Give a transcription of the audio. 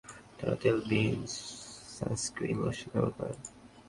যাঁদের ত্বক একটু তৈলাক্ত প্রকৃতির, তাঁরা তেলবিহীন সানস্ক্রিন লোশন ব্যবহার করুন।